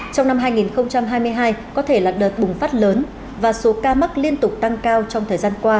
trong năm hai nghìn hai mươi hai có thể là đợt bùng phát lớn và số ca mắc liên tục tăng cao trong thời gian qua